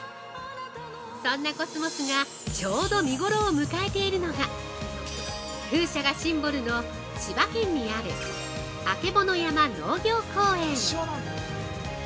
◆そんなコスモスがちょうど見ごろを迎えているのが風車がシンボルの、千葉県にある「あけぼの山農業公園」。